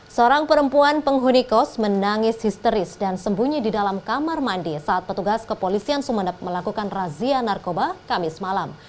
seorang perempuan penghuni kos menangis histeris dan sembunyi di dalam kamar mandi saat petugas kepolisian sumeneb melakukan razia narkoba kamis malam